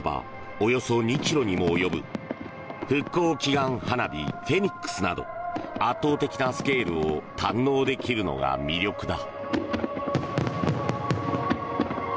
およそ２ｋｍにも及ぶ復興祈願花火フェニックスなど圧倒的なスケールを堪能できるのが魅力だ。